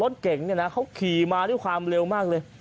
รถเก่งเนี่ยนะเขาขี่มาด้วยความเร็วมากเลย